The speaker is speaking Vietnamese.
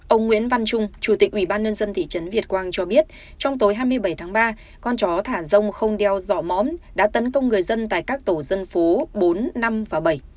ông nguyễn văn trung chủ tịch ủy ban nhân dân thị trấn việt quang cho biết trong tối hai mươi bảy tháng ba con chó thả rông không đeo dọ mõm đã tấn công người dân tại các tổ dân phố bốn năm và bảy